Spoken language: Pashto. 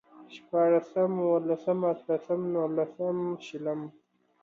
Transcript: شپاړسم، اوولسم، اتلسم، نولسم، شلم